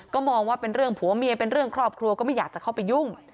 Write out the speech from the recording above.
ก็มองว่าเป็นเรื่องผัวเมียเป็นเรื่องครอบครัวก็ไม่อยากจะเข้าไปยุ่ง